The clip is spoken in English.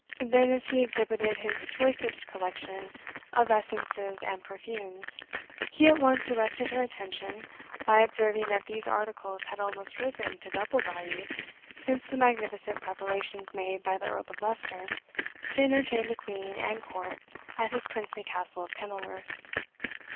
Then as he exhibited his choicest collection of essences and perfumes, he at once arrested her attention by observing that these articles had almost risen to double value since the magnificent preparations made by the Earl of Leicester to entertain the Queen and court at his princely Castle of Kenilworth.